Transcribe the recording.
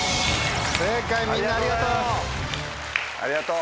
正解みんなありがとう。